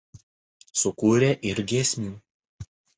Sukūrė ir giesmių.